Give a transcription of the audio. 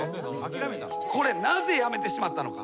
これなぜやめてしまったのか？